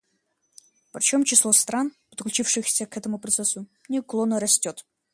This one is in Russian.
Причем число стран, подключившихся к этому процессу, неуклонно растет.